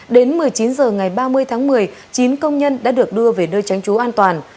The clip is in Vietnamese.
đến một mươi chín h ngày ba mươi tháng một mươi chín công nhân đã được đưa về nơi tránh trú an toàn